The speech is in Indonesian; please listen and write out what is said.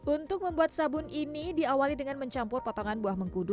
untuk membuat sabun ini diawali dengan mencampur potongan buah mengkudu